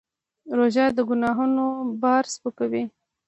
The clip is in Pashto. روژه د ګناهونو بار سپکوي.